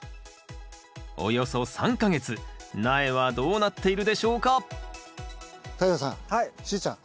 およそ３か月苗はどうなっているでしょうか太陽さんしーちゃん。